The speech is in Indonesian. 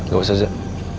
gak usah zek